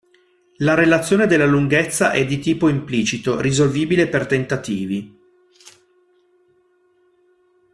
La relazione della lunghezza è di tipo implicito, risolvibile per tentativi.